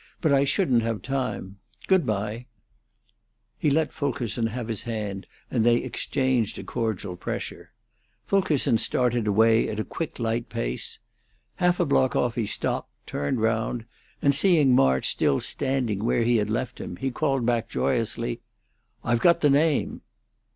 "But I shouldn't have time. Goodbye!" He now let Fulkerson have his hand, and they exchanged a cordial pressure. Fulkerson started away at a quick, light pace. Half a block off he stopped, turned round, and, seeing March still standing where he had left him, he called back, joyously, "I've got the name!"